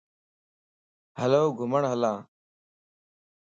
ھلو گھمڻ ھلا